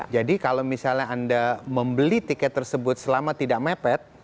jadi kalau misalnya anda membeli tiket tersebut selama tidak mepet